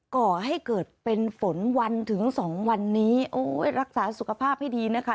ก่อให้เกิดเป็นฝนวันถึงสองวันนี้โอ้ยรักษาสุขภาพให้ดีนะคะ